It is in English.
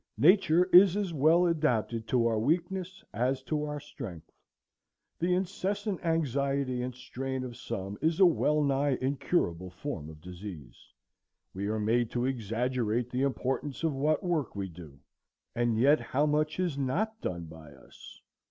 Nature is as well adapted to our weakness as to our strength. The incessant anxiety and strain of some is a well nigh incurable form of disease. We are made to exaggerate the importance of what work we do; and yet how much is not done by us!